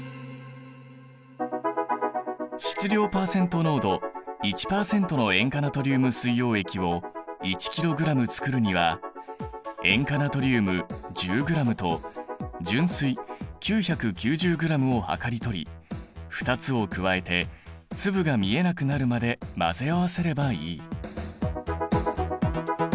質量パーセント濃度１％の塩化ナトリウム水溶液を１ｋｇつくるには塩化ナトリウム１０ｇと純水９９０ｇを量りとり２つを加えて粒が見えなくなるまで混ぜ合わせればいい。